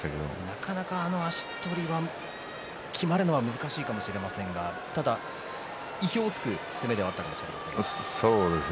なかなか、あの足取りがきまるのは難しいかもしれませんがただ意表を突く攻めではあったかもしれません。